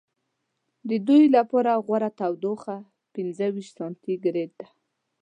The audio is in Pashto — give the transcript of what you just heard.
د دوی لپاره غوره تودوخه پنځه ویشت سانتي ګرېد ده.